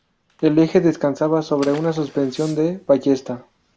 El eje descansaba sobre una suspensión de ballesta.